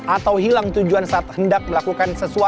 atau hilang tujuan saat hendak melakukan sesuatu